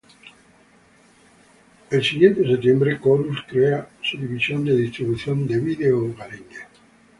El siguiente septiembre Corus crea su división de distribución de video hogareña.